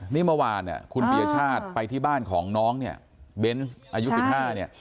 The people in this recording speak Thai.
นี่เมื่อวานคุณพิชาติไปที่บ้านของน้องเบนส์อายุ๑๕ปี